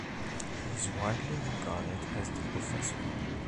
He is widely regarded as The Professor.